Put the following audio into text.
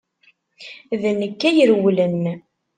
D nekk ay irewlen.